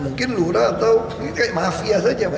mungkin lurah atau mungkin kayak mafia saja